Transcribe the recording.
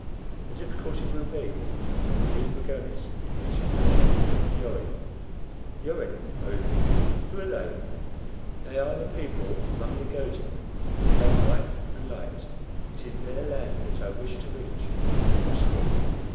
The difficulty will be, when we leave Magones, in reaching the land of the Orin." "The Orin?" I repeated. "Who are they?" "They are a people among the Gojin who love life and light. It is their land that I wish to reach, if possible."